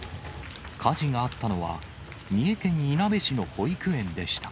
火事があったのは、三重県いなべ市の保育園でした。